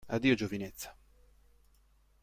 Addio giovinezza!